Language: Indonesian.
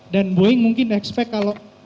dan boeing mungkin expect kalau